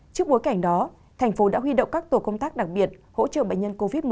trước bối cảnh đó thành phố đã huy động các tổ công tác đặc biệt hỗ trợ bệnh nhân covid một mươi chín